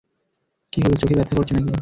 কী হল, চোখে ব্যাথা করছে নাকি?